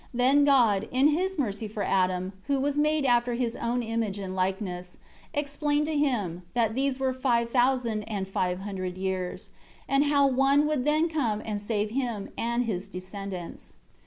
6 Then God in his mercy for Adam who was made after His own image and likeness, explained to him, that these were 5,000 and 500 years; and how One would then come and save him and his descendants.